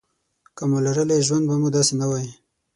که مو لرلای ژوند به مو داسې نه وای.